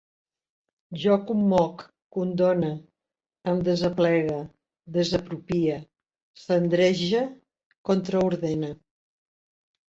Jo commoc, condone, em desaplegue, desapropie, cendrege, contraordene